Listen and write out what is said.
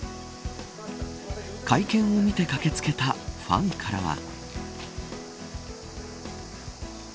会見を見て駆けつけたファンからは。